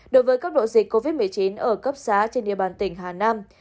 đối với cấp độ dịch covid một mươi chín ở cấp xá trên địa bàn tỉnh hà nam